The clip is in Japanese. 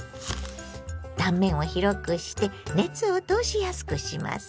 断面を広くして熱を通しやすくします。